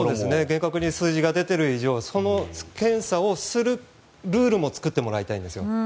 厳格に数字が出ている以上その検査をするルールも作ってもらいたいんですよ。